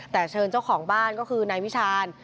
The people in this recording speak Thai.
แต่เชิญเจ้าของบ้านก็คือนายวิชาญ